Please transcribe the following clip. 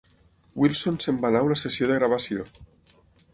Wilson se'n va anar a una sessió de gravació.